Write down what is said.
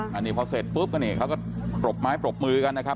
อันนี้พอเสร็จปุ๊บก็นี่เขาก็ปรบไม้ปรบมือกันนะครับ